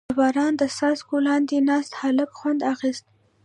• د باران د څاڅکو لاندې ناست هلک خوند اخیست.